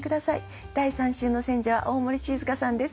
第３週の選者は大森静佳さんです。